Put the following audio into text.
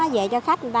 về cho khách người ta